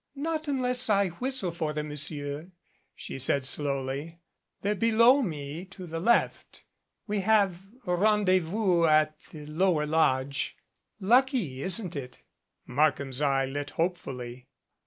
"Not unless I whistle for them, Monsieur," she said slowly. "They're below me to the left. We have rendez vous at the lower lodge. Lucky, isn't it?" Markham's eye lit hopefully.